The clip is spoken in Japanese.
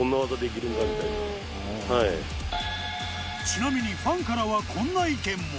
ちなみにファンからはこんな意見も。